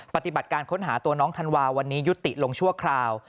ปฏิบัติการค้นหาตัวน้องธันวาวันนี้ยุติลงชั่วคราว